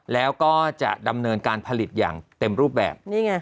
แล้วก็จะดำเนินการผลิตอย่างเต็มรูปแบบ